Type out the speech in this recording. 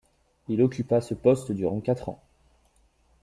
Il occupa ce poste durant quatre ans.